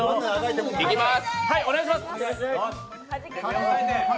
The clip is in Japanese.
いきます！